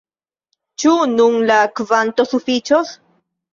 Ĉu nun la kvanto sufiĉos?